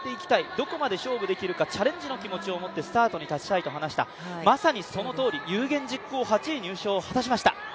どこまで勝負できるかチャレンジの気持ちを持ってスタートに立ちたいと話した、まさにそのとおり有言実行、８位入賞を果たしました。